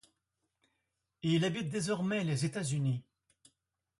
Il habite désormais les États-Unis.